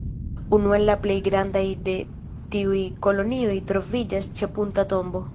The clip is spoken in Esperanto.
Unu el la plej grandaj de tiuj kolonioj troviĝas ĉe Punta Tombo.